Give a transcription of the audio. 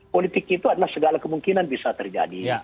politik itu adalah segala kemungkinan bisa terjadi